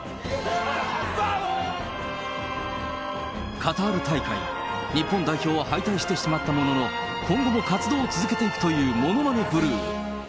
カタール大会、日本代表は敗退してしまったものの、今後も活動を続けていくというものまねブルー。